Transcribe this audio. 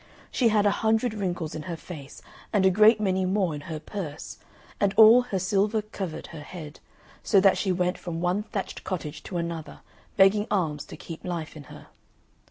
She had a hundred wrinkles in her face, and a great many more in her purse, and all her silver covered her head, so that she went from one thatched cottage to another, begging alms to keep life in her.